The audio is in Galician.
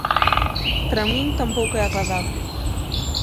Para min tampouco é agradable.